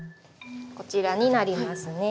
こちらになりますね。